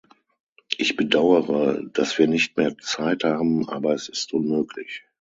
Ich bedauere, dass wir nicht mehr Zeit haben, aber es ist unmöglich.